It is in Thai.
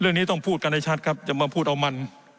เรื่องนี้ต้องพูดกันให้ชัดครับจะมาพูดเอามัน